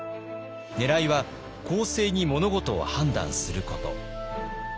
ねらいは公正に物事を判断すること。